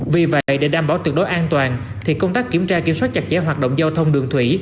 vì vậy để đảm bảo tuyệt đối an toàn thì công tác kiểm tra kiểm soát chặt chẽ hoạt động giao thông đường thủy